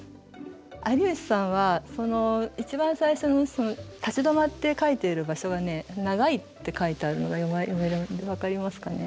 有吉さんは一番最初に立ち止まって描いている場所がね「長い」って書いてあるのが分かりますかね。